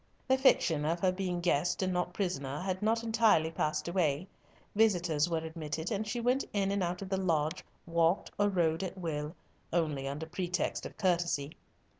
The fiction of her being guest and not prisoner had not entirely passed away; visitors were admitted, and she went in and out of the lodge, walked or rode at will, only under pretext of courtesy.